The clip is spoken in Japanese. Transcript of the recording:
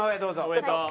おめでとう。